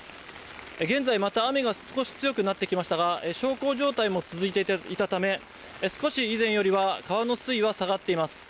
現在、また雨が少し強くなってきましたが、小康状態も続いていたため、少し以前よりは川の水位は下がっています。